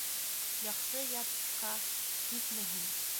Яҡшы ятҡа китмәһен.